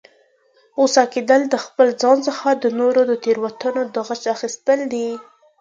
غوسه کیدل، د خپل ځان څخه د نورو د تیروتنو د غچ اخستل دي